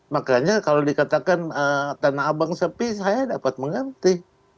makanya kalau dikatakan tanah abang sepi saya dapat mengerti